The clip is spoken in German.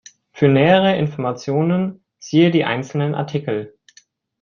Für nähere Informationen siehe die einzelnen Artikel.